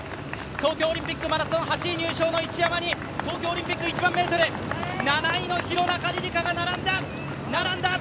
東京オリンピックマラソン８位入賞の一山に一山に、東京オリンピック１００００ｍ７位の廣中璃梨佳が並んだ！